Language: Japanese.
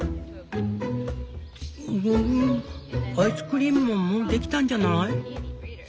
「フグフグアイスクリームももうできたんじゃない？」。